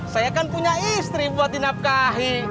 saya kan punya istri buat dinapkahi